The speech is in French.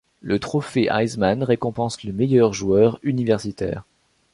Le Trophée Heisman récompense le meilleur joueur universitaire.